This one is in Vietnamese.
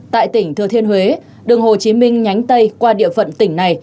tại tỉnh thừa thiên huế đường hồ chí minh nhánh tây qua địa phận tỉnh này